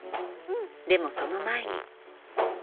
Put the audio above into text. でもその前に。